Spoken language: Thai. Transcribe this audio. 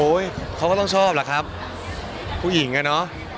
เขาก็ต้องชอบล่ะครับผู้หญิงอ่ะเนอะ